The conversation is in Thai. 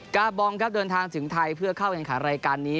กาบองครับเดินทางถึงไทยเพื่อเข้าแข่งขันรายการนี้